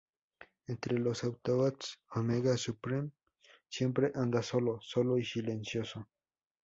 Entre los Autobots, Omega Supreme siempre anda solo; solo y silencioso.